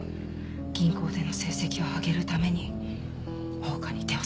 銀行での成績を上げるために放火に手を染めた。